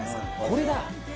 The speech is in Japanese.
これだ！